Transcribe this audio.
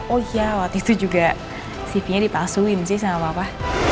oh iya waktu itu juga cv nya dipalsuin sih sama apa